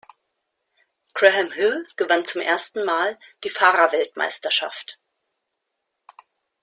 Graham Hill gewann zum ersten Mal die Fahrerweltmeisterschaft.